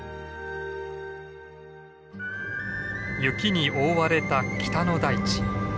雪に覆われた北の大地。